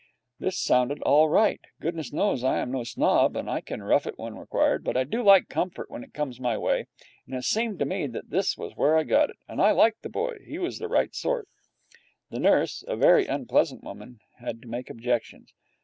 This sounded all right. Goodness knows I am no snob, and can rough it when required, but I do like comfort when it comes my way, and it seemed to me that this was where I got it. And I liked the boy. He was the right sort. The nurse, a very unpleasant woman, had to make objections.